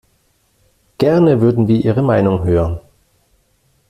Gerne würden wir Ihre Meinung hören.